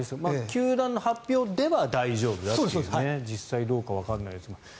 球団の発表では大丈夫だという実際どうかわからないですが。